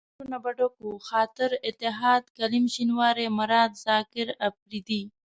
دا کټونه به ډک وو، خاطر، اتحاد، کلیم شینواری، مراد، زاکر اپرېدی.